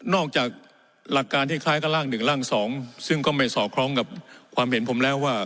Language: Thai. จากหลักการที่คล้ายกับร่างหนึ่งร่างสองซึ่งก็ไม่สอดคล้องกับความเห็นผมแล้วว่า